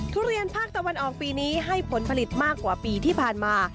ทุเรียนภาคตะวันออกปีนี้ให้ผลผลิตมากกว่าปีที่ผ่านมา